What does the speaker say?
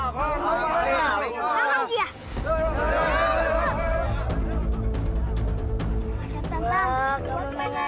kamu main naibat kian santan